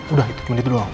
udah itu menit doang